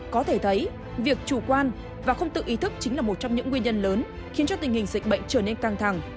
có thể thấy việc chủ quan và không tự ý thức chính là một trong những nguyên nhân lớn khiến cho tình hình dịch bệnh trở nên căng thẳng